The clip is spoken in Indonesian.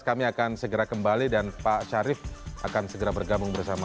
kami akan segera kembali dan pak syarif akan segera bergabung bersama